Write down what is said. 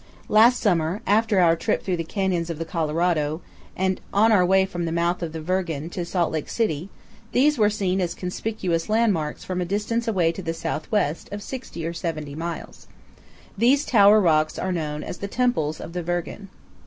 Last summer, after our trip through THE RIO VIRGEN AND THE UINKARET MOUNTAINS. 297 the canyons of the Colorado, on our way from the mouth of the Virgen to Salt Lake City, these were seen as conspicuous landmarks from a distance away to the southwest of 60 or 70 miles. These tower rocks are known as the Temples of the Virgen.